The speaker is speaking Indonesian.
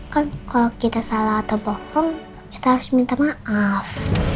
kan kalau kita salah atau bohong kita harus minta maaf